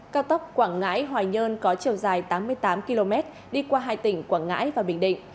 cao tốc quảng ngãi hòa nhơn có chiều dài tám mươi tám km đi qua hai tỉnh quảng ngãi và bình định